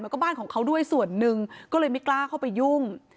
แล้วก็บ้านของเขาด้วยส่วนหนึ่งก็เลยไม่กล้าเข้าไปยุ่ง